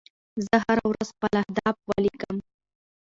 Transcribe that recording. زه هره ورځ خپل اهداف ولیکم.